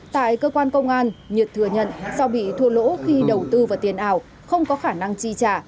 tại cơ quan công an nhật thừa nhận do bị thua lỗ khi đầu tư vào tiền ảo không có khả năng chi trả